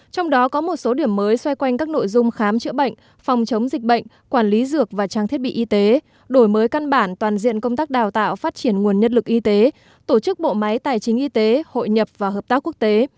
trong đó có một số điểm mới xoay quanh các nội dung khám chữa bệnh phòng chống dịch bệnh quản lý dược và trang thiết bị y tế đổi mới căn bản toàn diện công tác đào tạo phát triển nguồn nhất lực y tế tổ chức bộ máy tài chính y tế hội nhập và hợp tác quốc tế